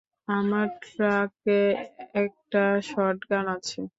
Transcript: আমার ট্রাকে একটা শটগান আছে।